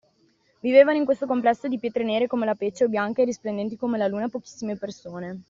Vivevano in questo complesso di pietre nere come la pece o bianche e risplendenti come la luna pochissime persone.